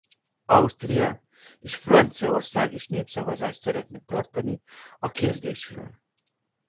Ausztria és Franciaország is népszavazást szeretne tartani a kérdésről.